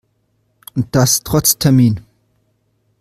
Und das trotz Termin.